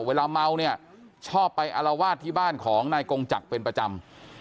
เวลาเมาเนี่ยชอบไปอารวาสที่บ้านของนายกงจักรเป็นประจำ